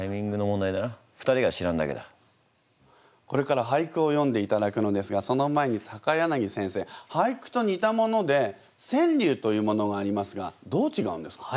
これから俳句をよんでいただくのですがその前に柳先生俳句とにたもので川柳というものがありますがどうちがうんですか？